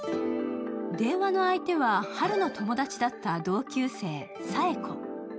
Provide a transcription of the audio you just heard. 電話の相手は、ハルの友達だった同級生、サエコ。